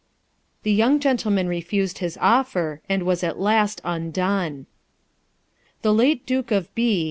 The young gentleman refused his offer, and was at last undone ! The late Duke of B.